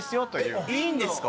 ・いいんですか？